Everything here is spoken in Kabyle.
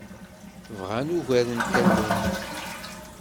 Bɣan ugar n tallunt.